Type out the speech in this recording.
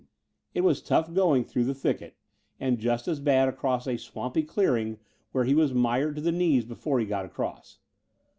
It was tough going through the thicket, and just as bad across a swampy clearing where he was mired to the knees before he got across.